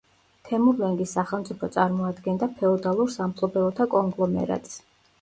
თემურლენგის სახელმწიფო წარმოადგენდა ფეოდალურ სამფლობელოთა კონგლომერატს.